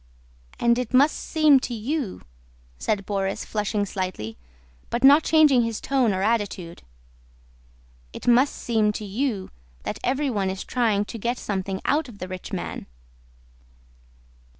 "And it must seem to you," said Borís flushing slightly, but not changing his tone or attitude, "it must seem to you that everyone is trying to get something out of the rich man?"